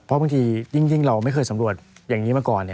เพราะบางทียิ่งเราไม่เคยสำรวจอย่างนี้มาก่อน